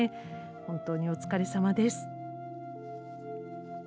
本当にお疲れさまです。